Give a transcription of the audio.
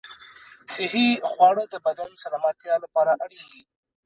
صحي خواړه د بدن سلامتیا لپاره اړین دي.